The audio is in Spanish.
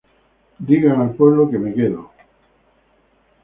Digan al pueblo que me quedo".